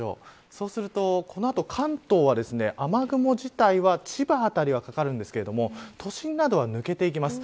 そうするとこの後、関東は雨雲自体は千葉辺りは、かかるんですけど都心などは、抜けていきます。